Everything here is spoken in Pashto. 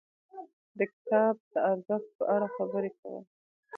د کتاب د ارزښت په اړه خبرې کول.